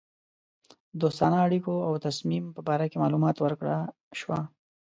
دوستانه اړېکو او تصمیم په باره کې معلومات ورکړه شوه.